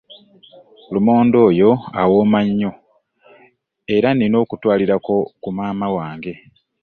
Lumonde oyo awooma nnyo era nnina okutwalirako ku maama wange.